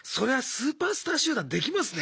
スーパースター集団できますね